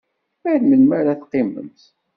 Ar melmi ara teqqimemt?